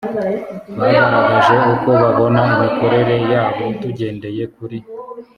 bagaragaje uko babona imikorere yabo tugendeye kuri